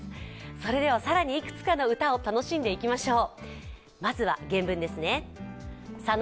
それでは更にいくつかの歌を楽しんでいきましょう。